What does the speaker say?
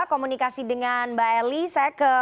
komunikasi dengan mbak eli saya ke